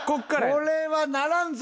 これはならんぞ。